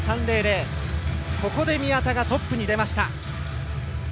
ここで宮田がトップに出ました。